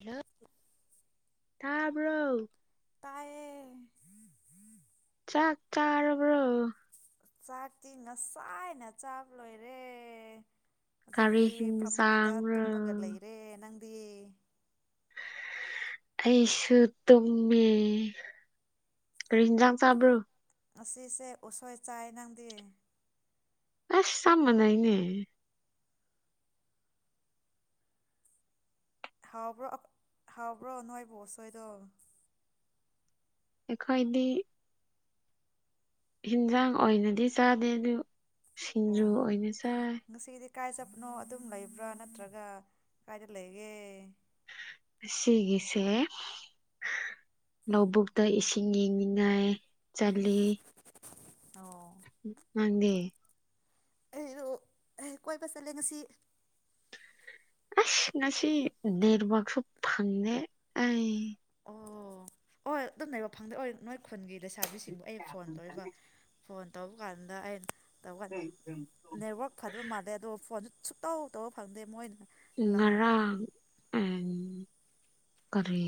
ꯂ ꯇꯥꯕ꯭ꯔꯣ ꯇꯥꯏꯌꯦ ꯆꯥꯛ ꯆꯥꯔꯕ꯭ꯔꯣ ꯆꯥꯛꯇꯤ ꯉꯁꯥꯏꯅ ꯆꯥꯕ ꯂꯣꯏꯔꯦ ꯀꯔꯤ ꯍꯧꯖꯤꯛꯇꯤ ꯐꯃꯨꯡꯗ ꯍꯤꯟꯖꯥꯡꯔꯣ ꯇꯨꯝꯃꯒ ꯂꯩꯔꯦ ꯅꯪꯗꯤ ꯑꯩꯁꯨ ꯇꯨꯝꯃꯤ ꯀꯔꯤꯍꯤꯟꯖꯥꯡ ꯆꯥꯕ꯭ꯔꯣ ꯉꯁꯤꯁꯦ ꯎꯁꯣꯏ ꯆꯥꯏ ꯅꯪꯗꯤ ꯑꯁ ꯆꯝ ꯃꯟꯅꯩꯅꯦ ꯍꯥꯎꯕ꯭ꯔꯣ ꯍꯥꯎꯕ꯭ꯔꯣ ꯅꯥꯏꯕꯨ ꯎꯁꯣꯏꯗꯣ ꯑꯩꯈꯣꯏꯗꯤ ꯌꯦꯟꯖꯥꯡ ꯑꯣꯏꯅꯗꯤ ꯆꯥꯗꯦ ꯑꯗꯨ ꯁꯤꯡꯖꯨ ꯑꯣꯏꯅ ꯆꯥꯏ ꯉꯁꯤꯒꯤꯗꯤ ꯀꯥꯏ ꯆꯠꯄꯅꯣ ꯑꯗꯨꯝ ꯂꯩꯕ꯭ꯔꯥ ꯅꯠꯇ꯭ꯔꯒ ꯀꯥꯏꯗ ꯂꯩꯒꯦ ꯁꯤꯒꯤꯁꯦ ꯂꯧꯕꯨꯛꯇ ꯏꯁꯤꯡ ꯌꯦꯡꯅꯤꯡꯉꯥꯏ ꯆꯠꯂꯤ ꯑꯣ ꯅꯪꯗꯤ ꯑꯩꯂꯨ ꯀꯣꯏꯕ ꯆꯠꯂꯦ ꯉꯁꯤ ꯑꯁ ꯉꯁꯤ ꯅꯦꯠꯋꯥꯛꯁꯨ ꯐꯪꯉꯦ ꯑꯩ ꯑꯣ ꯑꯣ ꯑꯣꯏ ꯑꯗꯨꯝ ꯂꯩꯕ ꯐꯪꯗꯦ ꯑꯣꯏ ꯅꯣꯏ ꯈꯨꯟꯒꯤ ꯂꯩꯁꯥꯕꯤꯁꯤꯡꯕꯨ ꯑꯩ ꯐꯣꯟ ꯇꯧꯔꯤꯕ ꯐꯣꯟ ꯇꯧꯕ ꯀꯥꯟꯗ ꯑꯩꯅ ꯇꯧꯀꯥꯟ ꯅꯦꯠꯋꯥꯛ ꯐꯗꯣ ꯃꯥꯗꯗꯣ ꯐꯣꯟꯖꯨ ꯁꯨꯛꯇꯧ ꯇꯧꯕ ꯐꯪꯗꯦ ꯃꯣꯏꯅ ꯎꯝ ꯂꯪ ꯉꯔꯥꯡ ꯎꯝ ꯀꯔꯤ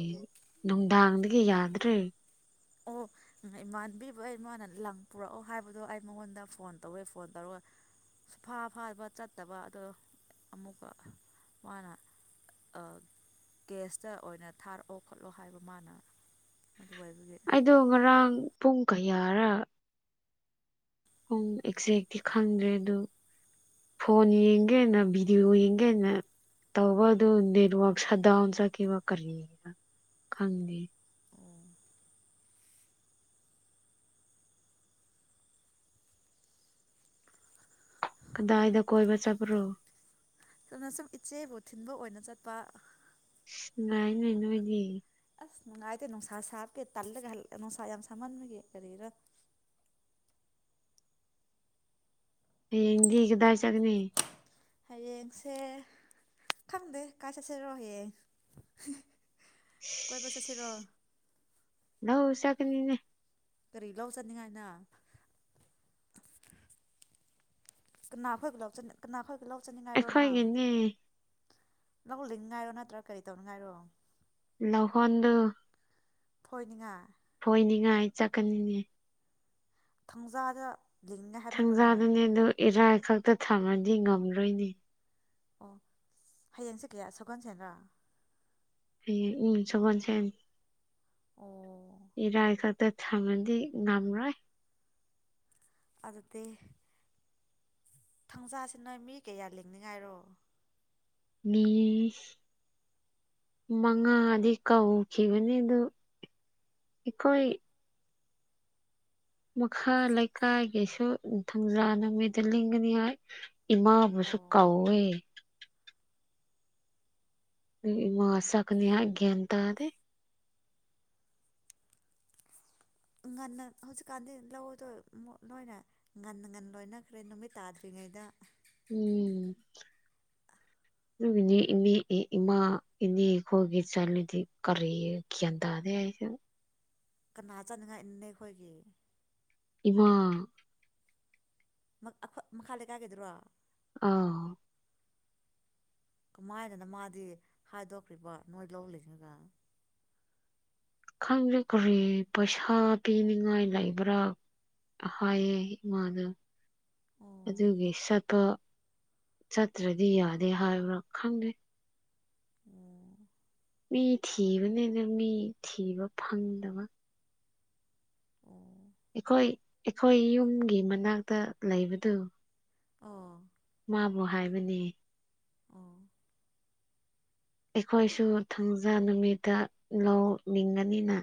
ꯅꯨꯡꯗꯥꯡꯗꯒꯤ ꯌꯥꯗ꯭ꯔꯦ ꯑꯣ ꯏꯃꯥꯟꯕꯤꯕ ꯑꯩ ꯃꯥꯅ ꯂꯪ ꯄꯨꯔꯛꯑꯣ ꯍꯥꯏꯕꯗꯣ ꯑꯩ ꯃꯉꯣꯟꯗ ꯐꯣꯟ ꯇꯧꯋꯦ ꯐꯣꯟ ꯇꯧꯔꯒ ꯁꯨꯐꯥ ꯐꯥꯕ ꯆꯠꯇꯕ ꯑꯗꯣ ꯑꯃꯨꯛꯀ ꯃꯥꯅ ꯑ ꯒꯦꯁꯇ ꯑꯣꯏꯅ ꯊꯥꯔꯛꯑꯣ ꯈꯣꯠꯂꯣ ꯍꯥꯏꯕ ꯃꯥꯅ ꯑꯗꯨ ꯑꯣꯏꯕꯒꯤ ꯑꯩꯗꯣ ꯉꯔꯥꯡ ꯄꯨꯡ ꯀꯌꯥꯔ ꯄꯨꯡ ꯑꯦꯛꯖꯦꯛꯇꯤ ꯈꯪꯗ꯭ꯔꯦ ꯑꯗꯨ ꯐꯣꯟ ꯌꯦꯡꯒꯦꯅ ꯚꯗꯤꯑꯣ ꯌꯦꯡꯒꯦꯅ ꯇꯧꯕ ꯑꯗꯨ ꯅꯦꯠꯋꯛ ꯁꯠ ꯗꯥꯎꯟ ꯆꯠꯈꯤꯕ ꯀꯔꯤꯔ ꯈꯪꯗꯦ ꯑꯣ ꯀꯗꯥꯏꯗ ꯀꯣꯏꯕ ꯆꯠꯄ꯭ꯔꯣ ꯆꯨꯝꯅꯁꯨꯝ ꯏꯆꯦꯕꯨ ꯊꯤꯟꯕ ꯑꯣꯏꯅ ꯆꯠꯄ ꯉꯥꯏꯅꯦ ꯅꯣꯏꯗꯤ ꯑꯁ ꯅꯨꯡꯉꯥꯏꯇꯦ ꯅꯨꯡꯁꯥ ꯁꯥꯞꯄꯦꯠ ꯇꯜꯂꯒ ꯍꯜꯂꯛꯑꯦ ꯅꯨꯡꯁꯥ ꯌꯥꯝ ꯁꯥꯝꯃꯟꯕꯒꯦ ꯀꯔꯤꯔꯥ ꯍꯌꯦꯡꯗꯤ ꯀꯗꯥꯏ ꯆꯠꯀꯅꯤ ꯍꯌꯦꯡꯁꯦ ꯈꯪꯗꯦ ꯀꯥꯏ ꯆꯠꯁꯤꯔꯣ ꯍꯌꯦꯡ ꯀꯣꯏꯕ ꯆꯠꯁꯤꯔꯣ ꯂꯧ ꯆꯠꯀꯅꯤꯅꯦ ꯀꯔꯤ ꯂꯧ ꯆꯠꯅꯤꯡꯉꯥꯏꯅ ꯀꯅꯥ ꯈꯣꯏꯒ ꯀꯅꯥ ꯈꯣꯏꯒ ꯂꯧꯆꯅꯤꯡꯉꯥꯏꯔꯣꯅ ꯑꯩꯈꯣꯏꯒꯤꯅꯦ ꯂꯧꯂꯤꯡꯅꯤꯡꯉꯥꯏꯔꯣ ꯅꯠꯇ꯭ꯔꯥ ꯀꯔꯤ ꯇꯧꯅꯤꯡꯉꯥꯏꯔꯣ ꯂꯧꯍꯣꯟꯗꯨ ꯐꯣꯏꯅꯤꯡꯉꯥꯏ ꯐꯣꯏꯅꯤꯉꯥꯏ ꯆꯠꯀꯅꯤꯅꯦ ꯊꯥꯡꯖꯥꯗ ꯂꯤꯡꯅꯤꯡꯉꯥꯏ ꯍꯥꯏꯕ ꯅꯠꯇ꯭ꯔꯣ ꯅꯣꯏ ꯊꯥꯡꯖꯥꯗꯅꯦ ꯑꯗꯨ ꯏꯔꯥꯏ ꯈꯛꯇ ꯊꯝꯃꯗꯤ ꯉꯝꯂꯣꯏꯅꯤ ꯑꯣ ꯍꯌꯦꯡꯁꯦ ꯀꯌꯥ ꯁꯒꯣꯟꯁꯦꯟꯗ꯭ꯔꯥ ꯍꯌꯦꯡ ꯎꯝ ꯁꯒꯣꯟꯁꯦꯟ ꯑꯣ ꯏꯔꯥꯏ ꯈꯛꯇ ꯊꯝꯃꯗꯤ ꯉꯝꯂꯣꯏ ꯑꯗꯨꯗꯤ ꯊꯥꯡꯖꯥꯁꯤ ꯅꯣꯏ ꯃꯤ ꯀꯌꯥ ꯂꯤꯡꯅꯤꯡꯉꯥꯏꯔꯣ ꯃꯤ ꯃꯉꯥꯗꯤ ꯀꯧꯈꯤꯕꯅꯤ ꯑꯗꯨ ꯑꯩꯈꯣꯏ ꯃꯈꯥ ꯂꯩꯀꯥꯏꯒꯤꯁꯨ ꯊꯥꯡꯖꯥ ꯅꯨꯃꯤꯠꯗ ꯂꯤꯡꯒꯅꯤ ꯍꯥꯏ ꯏꯃꯥꯕꯨꯁꯨ ꯑꯣ ꯀꯧꯋꯦ ꯑꯗꯨꯒꯤ ꯏꯃꯥ ꯆꯠꯀꯅꯤ ꯍꯥꯏ ꯒ꯭ꯌꯥꯟ ꯇꯥꯗꯦ ꯉꯟꯅ ꯍꯧꯖꯤꯛꯀꯥꯟꯗꯤ ꯂꯧꯗꯣ ꯂꯣꯏꯅ ꯉꯟ ꯉꯟ ꯂꯣꯏꯅꯈ꯭ꯔꯦ ꯅꯨꯃꯤꯠ ꯇꯥꯗ꯭ꯔꯤꯉꯩꯗ ꯎꯝ ꯑꯗꯨꯒꯤꯅꯦ ꯏꯅꯦ ꯏꯃꯥ ꯏꯅꯦꯈꯣꯏꯒꯤ ꯆꯠꯂꯗꯤ ꯀꯔꯤ ꯒ꯭ꯌꯥꯟ ꯇꯥꯗꯦ ꯑꯩꯁꯨ ꯀꯅꯥ ꯆꯠꯅꯤꯡꯉꯥꯏꯅꯦ ꯅꯈꯣꯏꯒꯤ ꯏꯃꯥ ꯃꯛ ꯑꯈꯣꯏ ꯃꯈꯥ ꯂꯩꯀꯥꯏꯒꯤꯗꯨꯔꯣ ꯑꯧ ꯀꯃꯥꯏꯅꯅꯣ ꯃꯥꯗꯤ ꯍꯥꯏꯗꯣꯛꯈ꯭ꯔꯤꯕꯣ ꯅꯣꯏ ꯂꯧ ꯂꯤꯡꯂꯒ ꯈꯪꯗꯦ ꯀꯔꯤ ꯄꯩꯁꯥ ꯄꯤꯅꯤꯡꯉꯥꯏ ꯂꯩꯕ꯭ꯔꯥ ꯍꯣꯏꯌꯦ [unintelligible] ꯑꯣ ꯑꯗꯨꯒꯤ ꯆꯠꯄ ꯆꯠꯇ꯭ꯔꯗꯤ ꯌꯥꯗꯦ ꯍꯥꯏꯕ꯭ꯔꯥ ꯈꯪꯗꯦ ꯑꯣ ꯃꯤ ꯊꯤꯕꯅꯦꯅꯦ ꯃꯤ ꯊꯤꯕ ꯐꯪꯗꯕ ꯑꯣ ꯑꯩꯈꯣꯏ ꯑꯩꯈꯣꯏ ꯌꯨꯝꯒꯤ ꯃꯅꯥꯛꯇ ꯂꯩꯕꯗꯨ ꯑꯣ ꯃꯥꯕꯨ ꯍꯥꯏꯕꯅꯦ ꯑꯣ ꯑꯩꯈꯣꯏꯁꯨ ꯊꯥꯡꯖꯥ ꯅꯨꯃꯤꯠꯇ ꯂꯧ ꯂꯤꯡꯒꯅꯤꯅ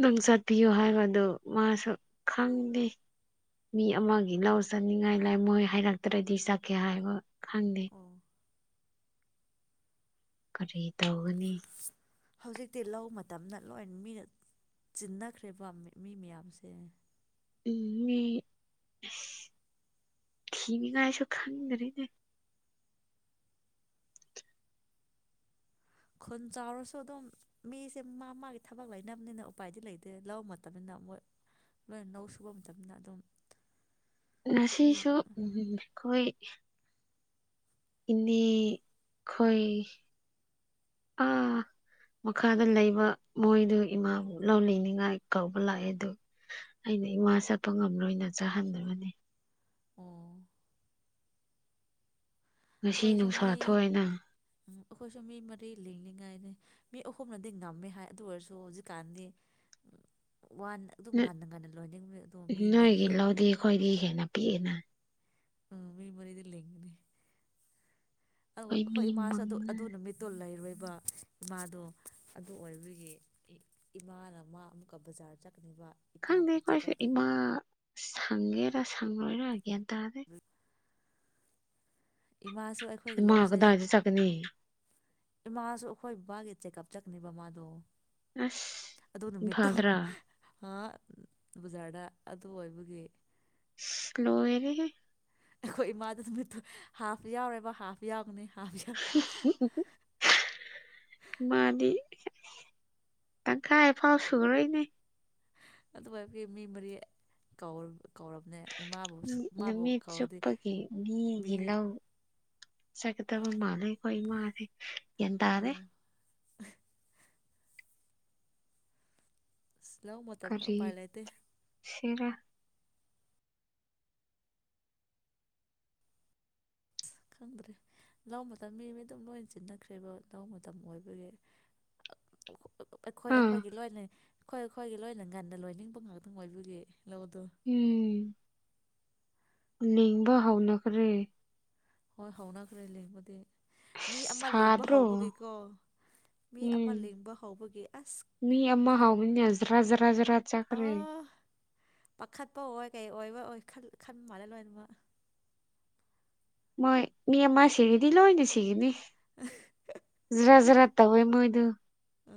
ꯅꯪ ꯆꯠꯄꯤꯌꯨ ꯍꯥꯏꯕꯗꯨ ꯃꯥꯁꯨ ꯈꯪꯗꯦ ꯃꯤ ꯑꯃꯒꯤ ꯂꯧ ꯆꯠꯅꯤꯡꯉꯥꯏ ꯂꯩ ꯃꯣꯏ ꯍꯥꯏꯔꯛꯇ꯭ꯔꯗꯤ ꯆꯠꯀꯦ ꯍꯥꯏꯕ ꯈꯪꯗꯦ ꯑꯣ ꯀꯔꯤ ꯇꯧꯒꯅꯤ ꯍꯧꯖꯤꯛꯇꯤ ꯂꯧ ꯃꯇꯝꯗ ꯂꯣꯏ ꯃꯤꯅ ꯆꯤꯟꯅꯈ꯭ꯔꯦꯕ ꯃꯤ ꯃꯌꯥꯝꯁꯦ ꯎꯝ ꯃꯤ ꯑꯁ ꯊꯤꯅ ꯑꯩꯁꯨ ꯈꯪꯗ꯭ꯔꯦꯅꯦ ꯈꯨꯟ ꯆꯥꯎꯔꯁꯨ ꯑꯗꯨꯝ ꯃꯤꯁꯦ ꯃꯥ ꯃꯥꯒꯤ ꯊꯕꯛ ꯂꯩꯅꯕꯅꯤꯅ ꯎꯄꯥꯏꯗꯤ ꯂꯩꯇꯦ ꯂꯧ ꯃꯇꯝꯅꯤꯅꯤꯅ ꯃꯣꯏ ꯂꯣꯏꯅ ꯂꯧ ꯁꯨꯕ ꯃꯇꯝꯅꯤꯅ ꯑꯗꯨꯝ ꯃꯤ ꯉꯁꯤꯁꯨ ꯎꯝ ꯈꯣꯏ ꯏꯅꯦ ꯈꯣꯏ ꯑꯥ ꯃꯈꯥꯗ ꯂꯩꯕ ꯃꯣꯏꯗꯨ ꯏꯃꯥꯕꯨ ꯂꯧ ꯂꯤꯅꯤꯡꯉꯥꯏ ꯀꯧꯕ ꯂꯥꯛꯑꯦ ꯑꯗꯨ ꯑꯩꯅ ꯏꯃꯥ ꯆꯠꯄ ꯉꯝꯔꯣꯏꯅ ꯆꯥꯍꯟꯗꯕꯅꯦ ꯑꯣꯥ ꯉꯁꯤ ꯑꯈꯣꯏꯁꯨ ꯅꯨꯡꯁꯥ ꯃꯤ ꯊꯣꯛꯑꯦꯅ ꯎꯝ ꯑꯈꯣꯏꯁꯨ ꯃꯤ ꯃꯔꯤ ꯂꯤꯡꯂꯤꯉꯥꯏꯅꯤ ꯃꯤ ꯑꯍꯨꯝꯅꯗꯤ ꯉꯝꯃꯦ ꯍꯥꯏ ꯑꯗꯨ ꯑꯣꯏꯔꯁꯨ ꯍꯧꯖꯤꯛꯀꯥꯟꯗꯤ ꯎꯝ ꯋꯥꯟ ꯑꯗꯨꯝ ꯉꯟꯅ ꯉꯟꯅ ꯂꯣꯏꯅꯤꯡꯔꯦ ꯑꯗꯣ ꯃꯤ ꯃꯔꯤ ꯈꯣꯏꯗꯩ ꯍꯦꯟꯅ ꯄꯤꯛꯑꯦꯅ ꯑ ꯃꯤ ꯃꯔꯤꯗꯤ ꯂꯤꯡꯒꯅꯤ ꯑꯧ ꯑꯩꯈꯣꯏ ꯃꯤ ꯑꯈꯣꯏ ꯏꯃꯥꯁꯨ ꯑꯗꯨ ꯃꯉꯥ ꯑꯗꯨ ꯅꯨꯃꯤꯠ ꯗꯣ ꯂꯩꯔꯣꯏꯕ ꯏꯃꯥꯗꯣ ꯑꯗꯨ ꯑꯣꯏꯕꯒꯤ ꯏ ꯏꯃꯥꯅ ꯃꯥ ꯑꯃꯨꯛꯀ ꯕꯖꯥꯔ ꯆꯠꯀꯅꯤꯕ ꯏꯄꯥꯕꯨ ꯈꯪꯗꯦ ꯈꯣꯏꯁꯨ ꯆꯦꯛꯑꯞ ꯇꯧꯅꯤ ꯏꯃꯥ ꯁꯪꯒꯦꯔ ꯁꯪꯔꯣꯏꯔ ꯒ꯭ꯌꯥꯟ ꯇꯥꯗꯦ [inaudible] ꯏꯃꯥꯁꯨ ꯑꯩꯈꯣꯏꯒꯤ ꯏꯃꯥ ꯂꯧꯁꯦ ꯀꯗꯥꯏꯗ ꯆꯠꯀꯅꯤ ꯏꯃꯥꯁꯨ ꯑꯈꯣꯏ ꯕꯕꯥꯒꯤ ꯆꯦꯛꯀꯞ ꯆꯠꯅꯦꯕ ꯃꯥꯗꯣ ꯑꯁ ꯑꯗꯨ ꯅꯨꯃꯤꯠꯇꯣ ꯏꯝꯐꯥꯜꯗꯔꯥ ꯍꯥ ꯕꯖꯥꯔꯗ ꯑꯗꯨ ꯑꯣꯏꯕꯒꯤ ꯏꯁ ꯂꯣꯏꯔꯦꯍꯦ ꯑꯩꯈꯣꯏ ꯏꯃꯥꯗ ꯅꯨꯃꯤꯠꯇꯨ ꯍꯥꯐ ꯌꯥꯎꯔꯦꯕ ꯍꯥꯐ ꯌꯥꯎꯒꯅꯤ ꯍꯥꯕꯤ [unintelligible] ꯃꯥꯗꯤ ꯇꯪꯈꯥꯏꯐꯥꯎ ꯁꯨꯔꯣꯏꯅꯦ ꯑꯗꯨ ꯑꯣꯏꯕꯒꯤ ꯃꯤ ꯃꯔꯤ ꯀꯧꯔ ꯀꯧꯔꯕꯅꯦ ꯏꯃꯥꯕꯨ ꯅꯪ ꯃꯥꯕꯨ ꯅꯨꯃꯤꯠ ꯀꯧꯔꯗꯤ ꯆꯨꯞꯄꯒꯤ ꯃꯤ ꯃꯤꯒꯤ ꯂꯧ ꯆꯠꯀꯗꯕ ꯃꯥꯜꯂꯦ ꯈꯣꯏ ꯃꯥꯗꯤ ꯒ꯭ꯌꯥꯟ ꯑꯣ ꯇꯥꯗꯦ ꯑꯁ ꯂꯧ ꯃꯇꯝꯗ ꯎꯄꯥꯏ ꯂꯩꯇꯦ ꯁꯦꯔ ꯈꯪꯗ꯭ꯔꯦ ꯂꯧ ꯃꯇꯝ ꯃꯤ ꯃꯤ ꯑꯗꯨꯝ ꯅꯣꯏꯟ ꯆꯤꯟꯅꯈ꯭ꯔꯦꯕ ꯂꯧ ꯃꯇꯝ ꯑꯣꯏꯕꯒꯤ ꯑꯩꯈꯣꯏ ꯑꯥ ꯑꯩꯈꯣꯏꯒꯤ ꯂꯣꯏꯅꯩ ꯈꯣꯏ ꯑꯈꯣꯏꯒꯤ ꯂꯣꯏꯅ ꯉꯟꯅ ꯂꯣꯏꯅꯤꯡꯕ ꯉꯥꯛꯇꯪ ꯑꯣꯏꯕꯒꯤ ꯂꯧꯗꯨ ꯎꯝ ꯂꯤꯡꯕ ꯍꯧꯅꯈ꯭ꯔꯦ ꯍꯣꯏ ꯍꯧꯅꯈ꯭ꯔꯦ ꯂꯤꯡꯕꯗꯤ ꯃꯤ ꯑꯃꯥ ꯂꯤꯡꯕ ꯁꯥꯗ꯭ꯔꯣ ꯍꯧꯕꯒꯤꯀꯣ ꯃꯤ ꯑꯃꯥ ꯎꯝ ꯂꯤꯡꯕ ꯍꯧꯕꯒꯤ ꯑꯁ ꯃꯤ ꯑꯃꯥ ꯈꯨꯠ ꯍꯧꯕꯅꯤꯅ ꯖ꯭ꯔ ꯖ꯭ꯔ ꯖ꯭ꯔ ꯆꯠꯈ꯭ꯔꯦ ꯑꯥ ꯄꯥꯈꯠꯄ ꯑꯣꯏ ꯀꯩ ꯑꯣꯏꯕ ꯑꯣꯏ ꯈꯜ ꯈꯟꯕ ꯃꯥꯜꯂꯦ ꯂꯣꯏꯅꯃꯛ ꯃꯣꯏ ꯃꯤ ꯑꯃꯥ ꯁꯤꯔꯤꯗꯤ ꯂꯣꯏꯅ ꯁꯤꯒꯅꯤ ꯖ꯭ꯔꯥ ꯖ꯭ꯔꯥ ꯇꯧꯋꯦ ꯃꯣꯏꯗꯨ ꯑ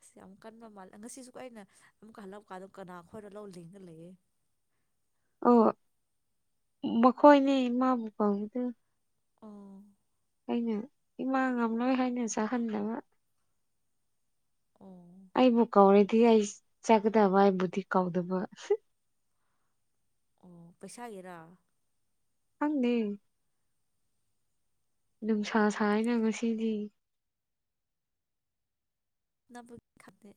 ꯑꯁ ꯌꯥꯝ ꯀꯟꯕ ꯃꯥꯜ ꯑ ꯉꯁꯤꯖꯨꯀꯣ ꯑꯩꯅ ꯑꯃꯨꯛꯀ ꯍꯜꯂꯛꯄꯀꯥꯟꯗ ꯀꯅꯥ ꯈꯣꯏꯔ ꯂꯧ ꯂꯤꯡꯉ ꯂꯩꯌꯦ ꯑꯣ ꯃꯈꯣꯏꯅꯦ ꯃꯥꯕꯨ ꯀꯥꯎꯗ ꯑꯥ ꯑꯩꯅ ꯏꯃꯥꯡꯝꯂꯣꯏ ꯍꯥꯏꯅ ꯆꯥꯍꯟꯗꯕ ꯑꯣ ꯑꯩꯕꯨꯀꯧꯔꯦꯗꯤ ꯑꯏꯁ ꯆꯒꯗꯕꯥꯏꯕꯨꯗꯤ ꯀꯥꯎꯗꯕ ꯑꯣ ꯄꯩꯁꯥꯒꯤꯔꯥ ꯈꯪꯗ‌ꯦ ꯅꯨꯡꯁꯥ ꯁꯥꯏꯅ ꯉꯁꯤꯗꯤ ꯅꯕꯨꯛ ꯊꯟꯗ‌ꯦ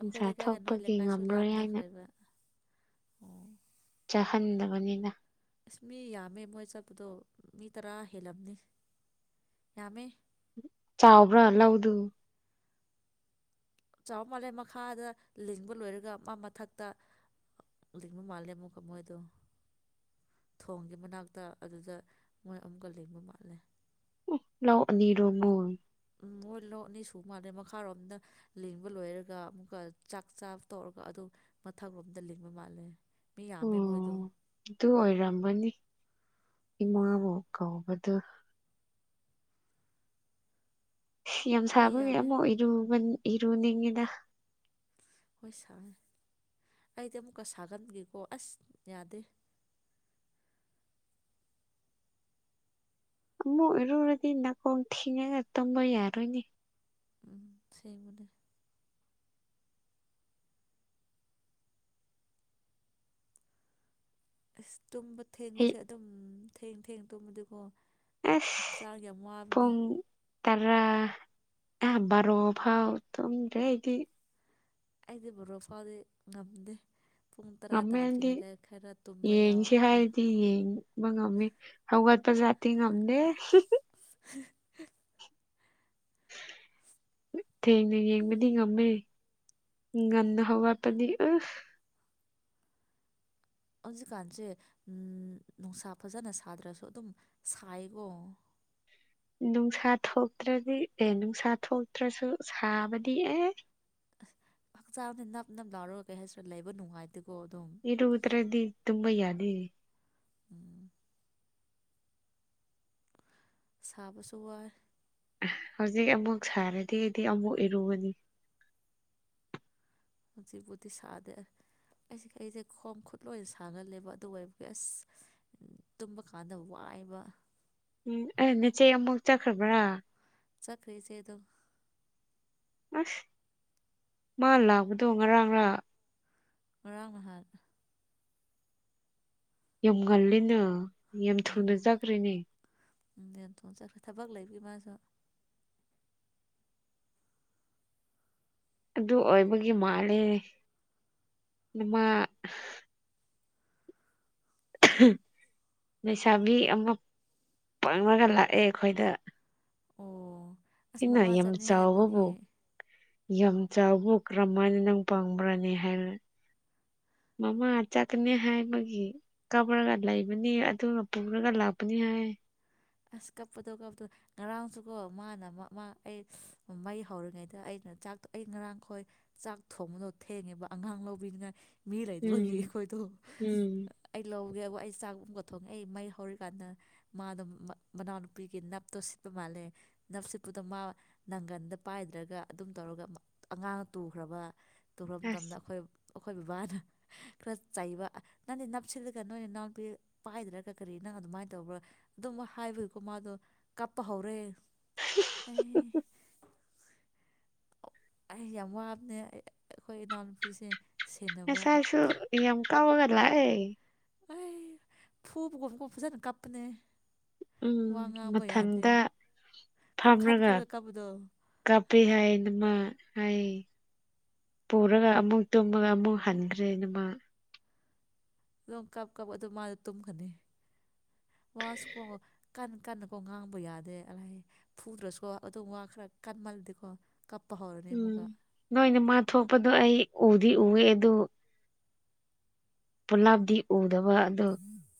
ꯑꯩꯈꯣꯏ ꯂꯩꯀꯥꯏꯒ ꯅꯣꯏ ꯊꯣꯛꯄꯒꯤ ꯂꯩꯀꯥꯏꯁꯨ ꯉꯝꯔꯣꯏ ꯍꯥꯏꯅ ꯂꯥꯞꯅꯈ꯭ꯔꯦꯕ ꯑꯣ ꯆꯥꯍꯟꯗꯕꯅꯤꯅ ꯑꯁ ꯃꯤ ꯌꯥꯝꯃꯦ ꯃꯣꯏ ꯆꯠꯄꯗꯣ ꯃꯤ ꯇꯔꯥ ꯍꯦꯜꯂꯝꯅꯤ ꯌꯥꯝꯃꯦ ꯆꯧꯕ꯭ꯔꯥ ꯂꯧꯎꯗꯨ ꯆꯥꯎ ꯃꯥꯜꯂꯦ ꯃꯈꯥꯗ ꯂꯤꯡꯕ ꯂꯣꯏꯔꯒ ꯑꯃꯥ ꯃꯊꯛꯇ ꯂꯤꯡꯕ ꯃꯥꯜꯂ‌ꯦ ꯑꯃꯨꯛꯀ ꯃ‌ꯣꯏꯗꯨ ꯊꯣꯡꯒꯤ ꯃꯅꯥꯛꯇ ꯑꯗꯨꯗ ꯃꯣꯏ ꯑꯃꯨꯛꯀ ꯂꯤꯡꯕ ꯃꯥꯜꯂꯦ ꯎꯝ ꯂꯧ ꯑꯅꯤꯔꯣ‌ ꯃ‌ꯣꯏ ꯎꯝ ꯃꯣꯏ ꯂꯧ ꯑꯅꯤ ꯁꯨ ꯃꯥꯜꯂꯦ ꯃꯈꯥꯔꯣꯝꯗ ꯂꯤꯡꯕ ꯂꯣꯏꯔꯒ ꯑꯃꯨꯛꯀ ꯆꯥꯛ ꯆꯥꯕ ꯇ‌ꯣꯛꯔꯒ ꯑꯗꯨ ꯃꯊꯛꯔꯣꯝꯗ ꯂꯤꯡꯕ ꯃꯥꯜꯂꯦ ꯃꯤ ꯌꯥꯝꯃꯦ ꯃꯣꯏꯗꯣ ꯑꯣ ꯑꯗꯨ ꯑꯣꯏꯔꯝꯃꯅꯤ ꯎꯝ ꯏꯃꯥꯕꯨ ꯀꯧꯕꯗꯨ ꯌꯥꯝ ꯃꯤ ꯁꯥꯕꯒꯤ ꯌꯥꯝꯃꯦ ꯑꯃ ꯏꯔꯨꯕꯅꯤ ꯏꯔꯨꯅꯤꯡꯉꯤꯗ ꯍꯣꯏ ꯁꯥꯔꯦ ꯑꯩꯗꯤ ꯑꯃꯨꯛꯀ ꯁꯥꯒꯟꯕꯒꯤꯀꯣ ꯑꯁ ꯌꯥꯗꯦ ꯑꯃꯨꯛ ꯏꯔꯨꯔꯗꯤ ꯅꯥꯀꯣꯡ ꯊꯤꯡꯉꯒ ꯇꯨꯝꯕ ꯌꯥꯔꯣꯏꯅꯦ ꯎꯝ ꯑꯁ‌ꯦꯡꯕꯅꯦ ꯑꯁ ꯇꯨꯝꯕ ꯑꯩ ꯊꯦꯡꯕꯁꯦ ꯑꯗꯨꯝ ꯊꯦꯡ ꯊꯦꯡ ꯇꯨꯝꯕꯗꯤꯀꯣ ꯑꯁ ꯄꯨꯡ ꯇꯔꯥ ꯑ ꯕꯔꯣꯐꯥꯎ ꯇꯨꯝꯗ‌ꯦ ꯑꯩꯗꯤ ꯑꯩꯗꯤ ꯕꯔꯣ ꯐꯥꯎꯗꯤ ꯉꯝꯗꯦ ꯄꯨꯡ ꯇꯔꯥ ꯉꯝꯃꯦ ꯑꯩꯗꯤ ꯇꯥꯗ꯭ꯔꯤꯉꯩꯗ ꯈꯔ ꯇꯨꯝꯕ ꯌꯦꯡꯁꯤ ꯌꯥꯎꯕ ꯍꯥꯏꯔꯗꯤ ꯌꯦꯡꯕ ꯉꯝꯃ‌ꯦ ꯍꯧꯒꯠꯄ ꯖꯥꯠꯇꯤ ꯉꯝꯗꯦ ꯊꯦꯡꯅ ꯌꯦꯡꯕꯗꯤ ꯉꯝꯃꯦ ꯉꯟꯅ ꯍꯧꯒꯠꯄꯗꯤ ꯑꯁ ꯍꯧꯖꯤꯛꯀꯥꯟꯁꯦ ꯎꯝ ꯅꯨꯡꯁꯥ ꯐꯖꯅ ꯁꯥꯗ꯭ꯔꯁꯨ ꯑꯗꯨꯝ ꯁꯥꯏꯀꯣ ꯅꯨꯡꯁꯥ ꯊꯣꯛꯇ꯭ꯔꯗꯤ ꯑꯦ ꯅꯨꯡꯁꯥ ꯊꯣꯛꯇ꯭ꯔꯁꯨ ꯁꯥꯕꯗꯤ ꯑꯦ ꯑꯁ ꯍꯛꯆꯥꯡꯗ ꯅꯞ ꯅꯞ ꯂꯥꯎꯔꯒ ꯀꯩ ꯍꯥꯏꯁꯤꯔꯥ ꯂꯩꯕ ꯅꯨꯡꯉꯥꯏꯇꯦꯀꯣ ꯑꯗꯨꯝ ꯏꯔꯨꯗꯔꯗꯤ ꯇꯨꯝꯕ ꯌꯥꯗꯦ ꯎꯝ ꯁꯥꯕꯁꯨ ꯋꯥꯏ ꯍꯧꯖꯤꯛ ꯑꯃꯨꯛ ꯁꯥꯔꯗꯤ ꯑꯩꯗꯤ ꯑꯃꯨꯛ ꯏꯔꯨꯒꯅꯤ ꯍꯧꯖꯤꯛꯕꯨꯗꯤ ꯁꯥꯗꯦ ꯑꯁ ꯑꯩꯁꯦ ꯈꯣꯡ ꯈꯨꯠ ꯂꯣꯏꯅ ꯁꯥꯡꯒꯟꯂꯦꯕ ꯑꯗꯨ ꯑ‌ꯣꯏꯕꯒꯤ ꯑꯁ ꯗꯨꯝꯀꯥꯟꯗ ꯋꯥꯏꯌ‌ꯦꯕ ꯎꯝ ꯑꯩ ꯅꯆꯦ ꯑꯃꯨꯛ ꯆꯠꯈ꯭ꯔꯕ꯭ꯔꯥ ꯆꯠꯈꯔ‌ꯦ ꯏꯆ‌ꯦ ꯗ‌ꯣ ꯑꯁ ꯃꯥ ꯂꯥꯛꯄꯗꯣ ꯉꯔꯥꯡꯔ ꯉꯔꯥꯡ ꯅꯍꯟ ꯌꯥꯝ ꯉꯜꯂꯤꯅ ꯌꯥꯝ ꯊꯨꯅ ꯆꯠꯈ꯭ꯔꯦꯅꯦ ꯎꯝ ꯌꯥꯝ ꯊꯨꯅ ꯆꯠꯈ꯭ꯔꯦ ꯊꯕꯛ ꯂꯩꯕꯒꯤ ꯃꯥꯁꯨ ꯑꯗꯨ ꯑꯣꯏꯕꯒꯤ ꯃꯥꯜꯂꯦ ꯅꯃꯥ ꯂꯩꯩꯁꯥꯕꯤ ꯑꯃ ꯄꯥꯡꯉꯒ ꯂꯥꯛꯑꯦ ꯑꯩꯈꯣꯏꯗ ꯑꯣ ꯑꯁ ꯏꯟꯅ ꯃꯃꯥ ꯌꯥꯝ ꯆꯠꯅꯤ ꯍꯥꯏꯕꯒꯤ ꯆꯥꯎꯕꯕꯨ ꯌꯥꯝ ꯆꯥꯎꯕꯕꯨ ꯀꯔꯝ ꯍꯥꯏꯅ ꯅꯪ ꯄꯪꯕ꯭ꯔꯥꯅ‌ꯦ ꯍꯥꯏꯔ ꯃꯃꯥ ꯆꯠꯀꯅ‌ꯦ ꯍꯥꯏꯕꯒꯤ ꯀꯥꯞꯄꯔꯒ ꯂꯩꯕꯅꯤ ꯑꯗꯨꯅ ꯄꯨꯔꯒ ꯂꯥꯛꯄꯅꯤ ꯍꯥꯏ ꯑꯁ ꯀꯞꯄꯗ‌ꯣ ꯀꯞꯄꯗ‌ꯣ ꯉꯔꯥꯡꯁꯨꯀꯣ ꯃꯥꯅ ꯃꯃꯥ ꯑꯩ ꯃꯩ ꯍꯧꯔꯤꯉꯩꯗ ꯑꯩꯅ ꯆꯥꯛꯇꯣ ꯑꯩ ꯉꯔꯥꯡ ꯈꯣꯏ ꯆꯥꯛ ꯊꯣꯡꯕꯗꯣ ꯊꯦꯡꯉꯦꯕ ꯑꯉꯥꯡ ꯂꯧꯕꯤꯅꯤꯉꯥꯏ ꯃꯤ ꯂꯩꯇꯕꯒꯤ ꯎꯝ ꯑꯩꯈꯣꯏꯗꯣ ꯎꯝ ꯑꯩ ꯂꯧꯒꯦꯕꯨ ꯑꯩ ꯆꯥꯛꯒꯨꯝꯒ ꯊꯣꯡꯉꯦ ꯑꯩ ꯃꯩ ꯍꯧꯔꯤꯀꯥꯟꯗ ꯃꯥꯗꯣ ꯃꯅꯥꯎꯅꯨꯄꯤꯒꯤ ꯅꯞꯇꯣ ꯁꯤꯠꯄ ꯃꯥꯜꯂꯦ ꯅꯞ ꯁꯤꯠꯄꯗ ꯃꯥ ꯅꯪꯒꯟꯗ ꯄꯥꯏꯗ꯭ꯔꯥꯒ ꯑꯗꯨꯝ ꯇꯧꯔꯒ ꯑꯉꯥꯡ ꯇꯨꯈ꯭ꯔꯥꯕ ꯇꯨꯔꯝꯗꯕꯅꯦ ꯑꯁ ꯑꯩꯈꯣꯏ ꯑꯩꯈꯣꯏ ꯕꯕꯥꯅ ꯈꯔ ꯆꯩꯕ ꯅꯪꯗꯤ ꯅꯞꯁꯤꯠꯂꯒ ꯅꯣꯏꯅꯅꯥꯎꯄꯤ ꯄꯥꯏꯗ꯭ꯔꯥꯒ ꯀꯔꯤ ꯅꯪ ꯑꯗꯨꯃꯥꯏ ꯇꯧꯕ꯭ꯔꯥ ꯑꯗꯨꯝ ꯋꯥ ꯍꯥꯏꯕꯒꯤꯀꯣ ꯃꯥꯗꯣ ꯀꯥꯞꯄ ꯍꯧꯔꯦ ꯑꯦ ꯑꯩ ꯌꯥꯝ ꯋꯥꯕꯅꯦ ꯑꯩꯈꯣꯏ ꯏꯅꯥꯎꯅꯨꯄꯤꯁꯦ ꯁꯦꯟꯅꯕ ꯉꯁꯥꯏꯁꯨ ꯌꯥꯝ ꯀꯥꯎꯔꯒ ꯂꯛꯑꯦ ꯑꯩ ꯐꯨꯕꯒ ꯀꫭꯐꯨ ꯐꯖꯅ ꯀꯞꯄꯅꯦ ꯋꯥ ꯎꯝ ꯉꯥꯡꯕ ꯌꯥꯗꯦ ꯃꯊꯟꯗ ꯑꯗꯨꯨꯝ ꯈꯟ ꯈꯟꯂ ꯀꯥꯞꯄꯗꯣ ꯀꯞꯄꯤ ꯍꯥꯏ ꯅꯃꯥ ꯍꯥꯏ ꯄꯨꯔꯒ ꯑꯃꯨꯛ ꯇꯨꯝꯃꯒ ꯑꯃꯨꯛ ꯍꯟꯈ꯭ꯔꯦ ꯑꯗꯨꯃꯥ ꯂꯣꯡ ꯀꯞ ꯀꯞ ꯑꯗꯨ ꯃꯥꯗꫭ ꯇꯨꯝꯒꯅꯤ ꯋꯥꯁꯨꯀꯣ ꯀꯟꯅ ꯀꯟꯅꯀꯣ ꯉꯥꯡꯕ ꯌꯥꯗꯦ ꯑꯂꯥꯏ ꯐꯨꯗ꯭ꯔꯥꯁꯨꯀꫭ ꯑꯗꯨꯝ ꯋꯥ ꯈꯔ ꯀꯟꯃꯜꯂꯗꯤꯀꯣ ꯀꯞꯄ ꯍꯧꯔꯅꯦ ꯎꯝ ꯑꯃꯨꯛꯀꯥ ꯅꯣꯏꯅ ꯃꯥ ꯊꯣꯛꯄꯗꯣ ꯑꯩ ꯎꯗꯤ ꯎꯑꯦ ꯑꯗꯨ ꯄꯨꯂꯥꯞꯗꯤ ꯎꯗꯕ ꯑꯗꯣ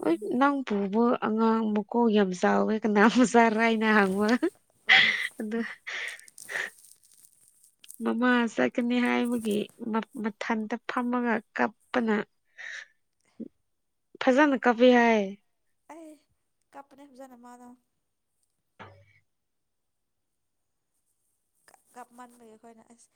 ꯍꯣꯏ ꯅꯪ ꯄꯨꯕ ꯑꯉꯥꯡ ꯃꯀꯣꯛ ꯌꯥꯝ ꯆꯥꯎꯋꯦ ꯀꯅꯥ ꯃꯆꯥ ꯔꯥꯏꯅ ꯍꯪꯕ ꯑꯣ ꯑꯗꯨ ꯃꯃꯥ ꯆꯠꯀꯅꯤ ꯍꯥꯏꯕꯒꯤ ꯃ ꯃꯊꯟꯇ ꯐꯝꯃꯒ ꯀꯞꯄꯅ ꯐꯖꯟꯅ ꯀꯞꯄꯤ ꯍꯥꯏ ꯑꯦ ꯀꯞꯄꯅꯦ ꯐꯖꯅ ꯃꯥꯗꫭ ꯀꯞꯃꯟꯕꯒꯤ ꯑꯩꯈꯣꯏꯅ ꯑꯁ